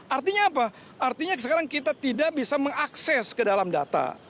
artinya apa artinya sekarang kita tidak bisa mengakses ke dalam data